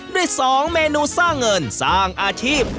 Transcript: ด้วยสองเมนูทร่าเงินสร้างอาชีพ